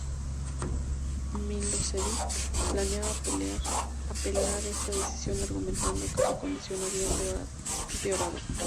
Milošević planeaba apelar esta decisión, argumentando que su condición había empeorado.